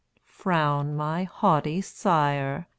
Frown, my haughty sire!